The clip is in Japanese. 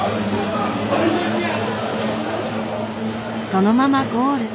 そのままゴール。